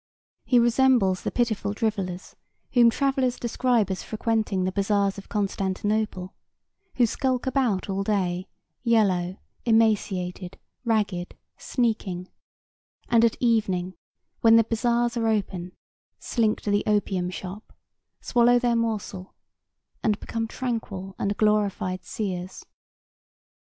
He resembles the pitiful drivellers whom travellers describe as frequenting the bazaars of Constantinople, who skulk about all day, yellow, emaciated, ragged, sneaking; and at evening, when the bazaars are open, slink to the opium shop, swallow their morsel and become tranquil and glorified seers.